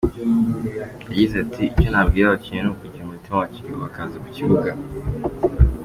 Yagize ati “Icyo nabwira abakinnyi ni ukugira umutima wa kigabo bakaza ku kibuga.